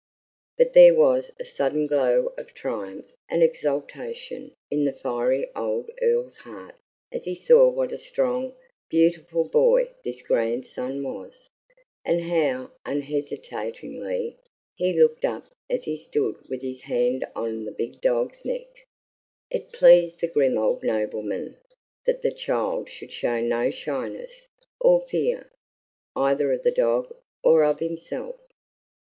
But there was a sudden glow of triumph and exultation in the fiery old Earl's heart as he saw what a strong, beautiful boy this grandson was, and how unhesitatingly he looked up as he stood with his hand on the big dog's neck. It pleased the grim old nobleman that the child should show no shyness or fear, either of the dog or of himself.